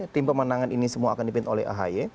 tim pemenangan ini semua akan dipimpin oleh ahy